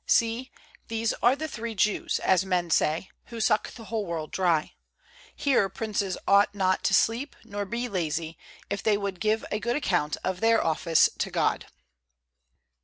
See, these are the three Jews, as men say, who suck the whole world dry. Here princes ought not to sleep, nor be lazy, if they would give a good account of their office to God.